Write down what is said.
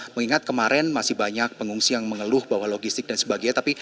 mengingat kemarin masih banyak pengungsi yang mengeluh bahwa logistik dan sebagainya